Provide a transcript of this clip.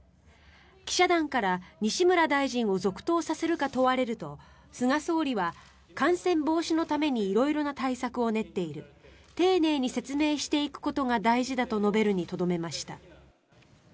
記者団から、西村大臣を続投させるか問われると菅総理は、感染防止のために色々な対策を練っている丁寧に説明していくことが大事だと述べるにとどめました。